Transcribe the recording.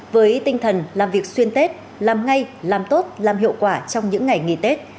với tinh thần làm việc xuyên tết làm ngay làm tốt làm hiệu quả trong những ngày nghỉ tết